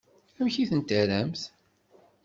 Amek i ten-terramt?